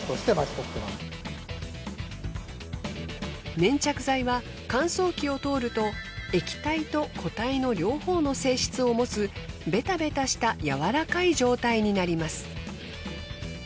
粘着剤は乾燥機を通ると液体と固体の両方の性質を持つベタベタした柔らかい状態になります。